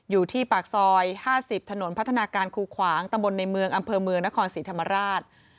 อยู่ที่ปากซอย๕๐ถนนพัฒนาการคูขวางตำบลในเมืองอำเภอเมืองนครศรีธรรมราช